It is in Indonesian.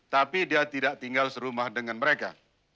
tapi dia tidak tinggal serumah dengan mereka